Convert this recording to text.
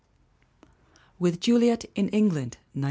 With Juliet in England, 1907.